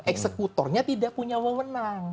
eksekutornya tidak punya wawenang